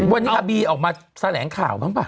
วันนี้อาบีออกมาแถลงข่าวบ้างป่